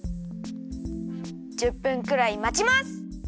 １０分くらいまちます。